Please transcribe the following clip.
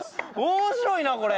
面白いなこれ。